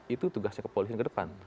itu tugasnya kepolisian ke depan